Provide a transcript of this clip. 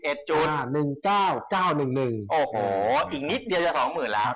โอ้โหอีกนิดเดียวจะสองหมื่นแล้ว